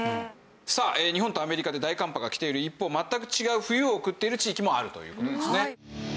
さあ日本とアメリカで大寒波が来ている一方全く違う冬を送っている地域もあるという事ですね。